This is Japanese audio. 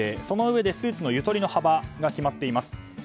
そのうえでスーツのゆとりの幅が決まっています。